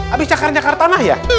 abis nyakar nyakar tanah ya